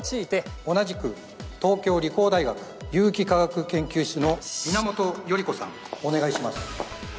同じく東京理工大学有機化学研究室の皆本頼子さんお願いします。